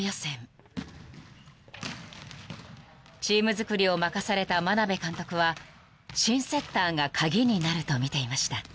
［チームづくりを任された眞鍋監督は新セッターが鍵になるとみていました］